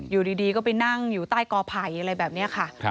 อยู่ดีก็ไปนั่งอยู่ใต้กอไผ่อะไรแบบนี้ค่ะ